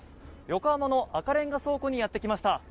横浜の赤レンガ倉庫にやってきました。